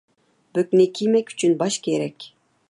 بۆكنى كىيمەك ئۈچۈن باش كېرەك.